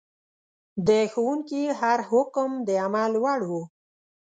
د ښوونکي هر حکم د عمل وړ و.